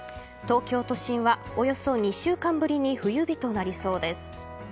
東京都心はおよそ２週間ぶりに冬日となりそうです。